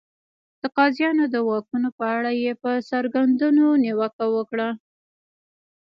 د قاضیانو د واکونو په اړه یې پر څرګندونو نیوکه وکړه.